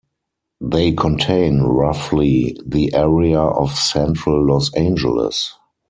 They contain, roughly, the area of central Los Angeles.